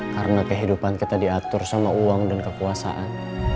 karena kehidupan kita diatur sama uang dan kekuasaan